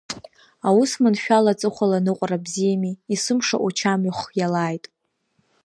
Аус маншәала аҵыхәала аныҟәара бзиами, есымша учамҩахә хиалааит!